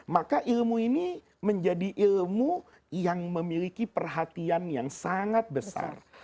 maka ilmu ini menjadi ilmu yang memiliki perhatian yang sangat besar